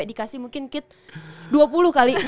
dikasih mungkin kit dua puluh kali